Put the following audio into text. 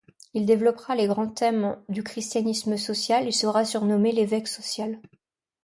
Il développera les grands thèmes du christianisme social et sera surnommé l'Évêque social.